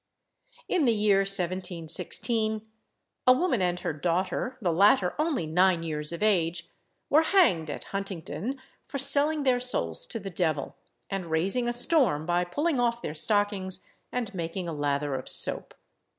In the year 1716, a woman and her daughter the latter only nine years of age were hanged at Huntingdon for selling their souls to the devil, and raising a storm by pulling off their stockings and making a lather of soap.